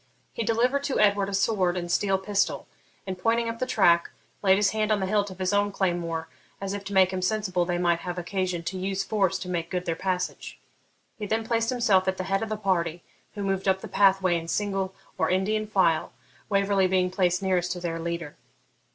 He delivered to Edward a sword and steel pistol, and, pointing up the track, laid his hand on the hilt of his own claymore, as if to make him sensible they might have occasion to use force to make good their passage. He then placed himself at the head of the party, who moved up the pathway in single or Indian file, Waverley being placed nearest to their leader.